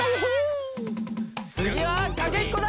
つぎはかけっこだ！